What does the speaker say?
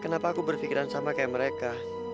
kenapa aku berpikiran sama kayak mereka